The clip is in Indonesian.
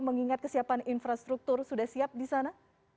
mengingat kesiapan infrastruktur sudah siap disana